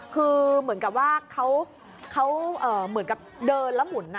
คือเหมือนกับว่าเขาเหมือนกับเดินแล้วหมุน